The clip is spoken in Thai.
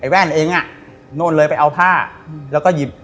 แวนเองนอนเลยไปเอาผ้า